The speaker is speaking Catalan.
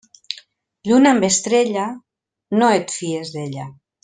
Lluna amb estrella, no et fies d'ella.